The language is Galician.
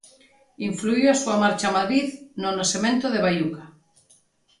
Influíu a súa marcha a Madrid no nacemento de Baiuca?